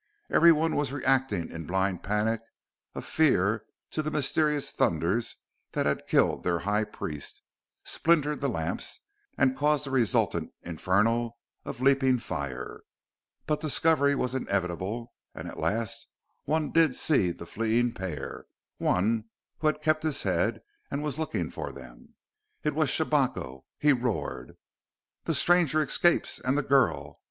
Everyone was reacting in a blind panic of fear from the mysterious thunders that had killed their High Priest, splintered the lamps, and caused the resultant inferno of leaping fire. But discovery was inevitable, and at last one did see the fleeing pair one who had kept his head and was looking for them. It was Shabako. He roared: "The stranger escapes and the girl!